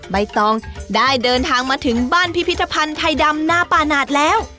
ใบตองได้เดินทางมาถึงบ้านพิพิธภัณฑ์ไทยดำหน้าปานาศแล้ว